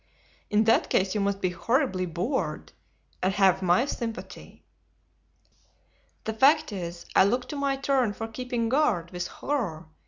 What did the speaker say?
"In that case you must be horribly bored, and have my sympathy." "The fact is, I look to my turn for keeping guard with horror.